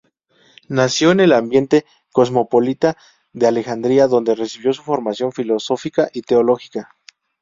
Nació en el ambiente cosmopolita de Alejandría, donde recibió su formación filosófica y teológica.